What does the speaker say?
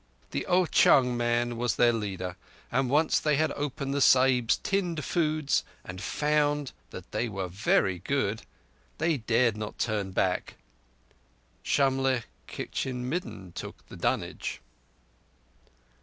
The Ao chung man was their leader, and once they had opened the Sahibs' tinned foods and found that they were very good they dared not turn back. Shamlegh kitchen midden took the dunnage.